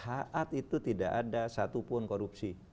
haat itu tidak ada satupun korupsi